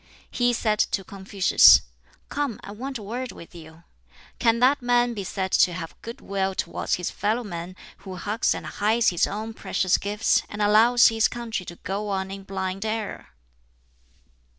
He said to Confucius, "Come, I want a word with you. Can that man be said to have good will towards his fellow men who hugs and hides his own precious gifts and allows his country to go on in blind error?"